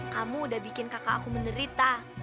kamu udah bikin kakak aku menderita